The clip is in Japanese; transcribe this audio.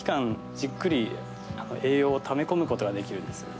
じっくり栄養をため込むことができるんですね。